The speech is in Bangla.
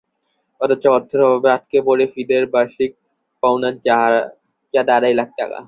অথচ অর্থের অভাবে আটকে আছে ফিদের বার্ষিক পাওনা চাঁদা আড়াই লাখ টাকা।